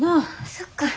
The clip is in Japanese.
そっか。